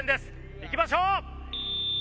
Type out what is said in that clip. いきましょう！